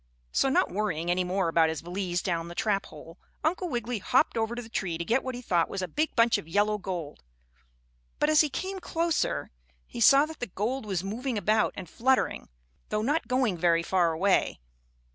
So, not worrying any more about his valise down the trap hole, Uncle Wiggily hopped over to the tree to get what he thought was a big bunch of yellow gold. But as he came closer, he saw that the gold was moving about and fluttering, though not going very far away.